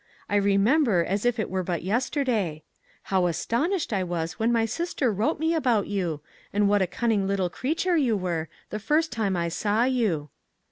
I remember as if it were but yes terday. How astonished I was when my sister wrote me about you, and what a cunning little creature you were, the first time I saw you."